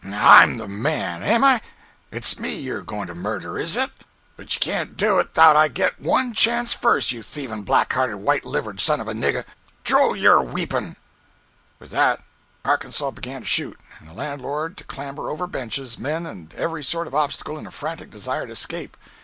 I'm the man, am I? It's me you're goin' to murder, is it? But you can't do it 'thout I get one chance first, you thievin' black hearted, white livered son of a nigger! Draw your weepon!" With that, Arkansas began to shoot, and the landlord to clamber over benches, men and every sort of obstacle in a frantic desire to escape.